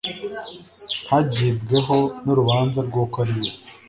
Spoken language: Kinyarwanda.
ntagibweho n'urubanza rw'uko ari we